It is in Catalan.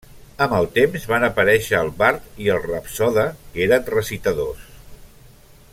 Amb el temps van aparèixer el bard i el rapsode, que eren recitadors.